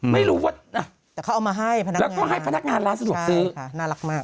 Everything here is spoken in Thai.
ไม่รู้ว่าแต่เขาเอามาให้แล้วก็ให้พนักงานร้านสะดวกซื้อน่ารักมาก